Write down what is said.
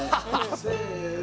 せの。